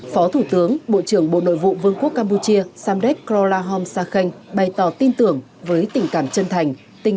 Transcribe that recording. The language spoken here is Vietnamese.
phó thủ tướng bộ trưởng bộ nội vụ vương quốc campuchia samdek krolahom sakhan bày tỏ tin tưởng với tình cảm chân thành